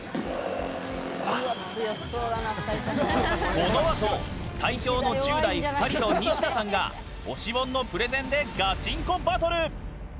このあと最強の１０代２人とニシダさんが推し本のプレゼンでガチンコバトル！